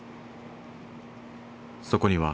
そこには